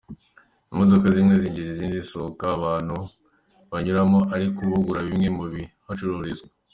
Imodoka zimwe zinjira izindi zisohoka, abantu banyuranamo ari ko bagura bimwe mu bihacururizwa.